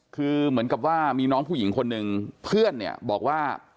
คือเหมือนกับว่ามีน้องผู้หญิงคนหนึ่งเพื่อนเนี่ยบอกว่า